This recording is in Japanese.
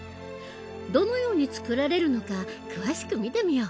どのように作られるのか詳しく見てみよう！